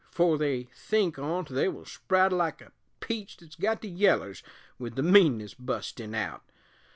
'Fore they think on't they will sprout (Like a peach thet's got the yellers), With the meanness bustin' out.